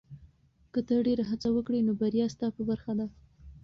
که ته ډېره هڅه وکړې، نو بریا ستا په برخه ده.